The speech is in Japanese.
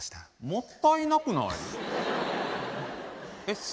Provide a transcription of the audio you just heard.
もったいなくない？